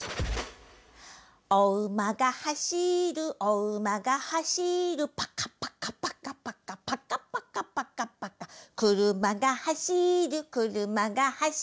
「おうまがはしるおうまがはしる」「パカパカパカパカパカパカパカパカ」「くるまがはしるくるまがはしる」